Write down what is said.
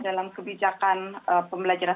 dalam kebijakan pembelajaran